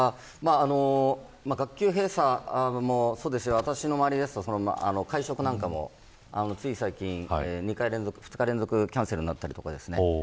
学級閉鎖もそうですが私の周りですと、会食なんかもつい最近、２日連続キャンセルになったりとか。